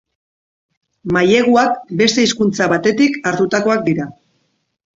Maileguak beste hizkuntza batetik hartutakoak dira.